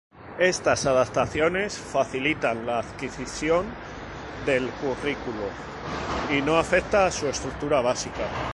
Estas adaptaciones facilitan la adquisición del currículo y no afectan su estructura básica.